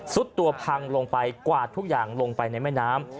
สุดตัวพังลงไปกวาดทุกอย่างลงไปในแม่น้ำ